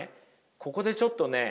ここでちょっとね